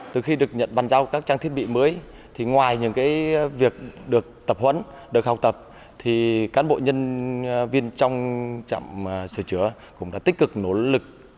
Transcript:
từ khi được nhận bàn giao các trang thiết bị mới ngoài những việc được tập huấn được học tập cán bộ nhân viên trong trạm sửa chữa cũng đã tích cực nỗ lực